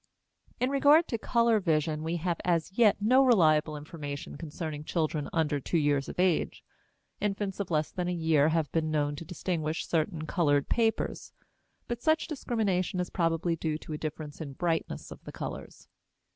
In regard to color vision we have as yet no reliable information concerning children under two years of age. Infants of less than a year have been known to distinguish certain colored papers. But such discrimination is probably due to a difference in brightness of the colors.